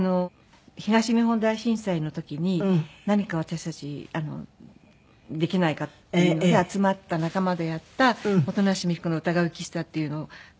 東日本大震災の時に何か私たちできないかっていうので集まった仲間でやった音無美紀子の歌声喫茶っていうのを始めて。